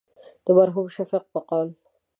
د مرحوم شفیق په قول.